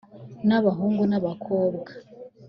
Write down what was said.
n’abahungu n’abakobwa